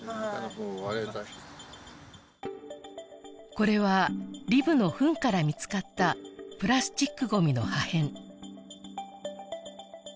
これはリブのフンから見つかったプラスチックごみの破片